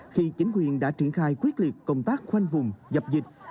khi chính quyền đã triển khai quyết liệt công tác khoanh vùng dập dịch